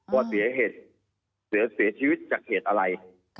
ว่าเสียเหตุหรือเสียชีวิตจากเหตุอะไร